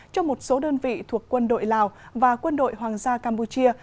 cho một số đơn vị thuộc quân đội lào và quân đội hoàng gia campuchia